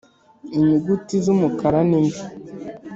inyuguti zumukara ni mbi